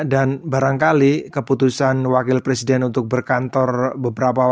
dan keputusan wakil presiden untuk berkantor beberapa tahun ini